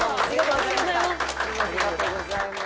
ありがとうございます。